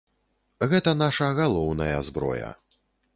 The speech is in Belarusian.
Гэта наша галоўная зброя.